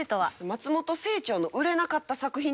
松本清張の売れなかった作品に目をつける。